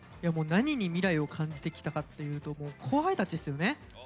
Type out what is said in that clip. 何に未来を感じてきたかっていうと後輩たちですよね。